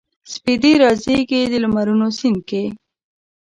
سپیدې رازیږي د لمرونو سیند کې